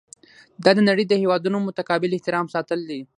دا د نړۍ د هیوادونو متقابل احترام ساتل دي.